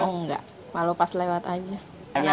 oh enggak kalau pas lewat aja